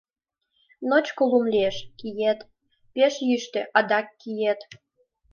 Ночко лум лиеш — киет, пеш йӱштӧ — адак киет.